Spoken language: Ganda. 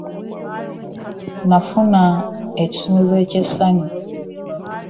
Nafuna nze ekisumuluzo ky'essanyu.